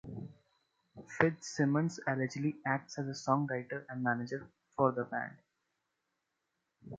Fitzsimmons allegedly acts as a songwriter and manager for the band.